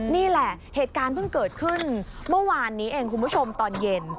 นี่แหละเหตุการณ์เพิ่งเกิดขึ้นเมื่อวานนี้เองคุณผู้ชมตอนเย็น